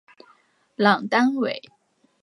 朗丹韦。